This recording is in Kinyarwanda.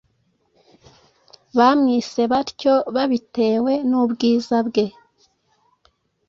Bamwise batyo babitewe n’ubwiza bwe,